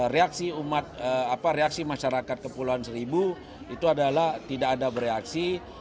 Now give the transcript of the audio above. reaksi umat apa reaksi masyarakat kepulauan seribu itu adalah tidak ada bereaksi